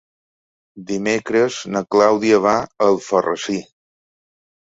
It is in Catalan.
Dimecres na Clàudia va a Alfarrasí.